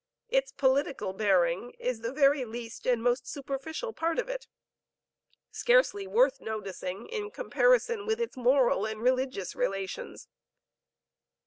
Its political bearing is the very least and most superficial part of it, scarcely worth noticing in comparison with its moral and religious relations.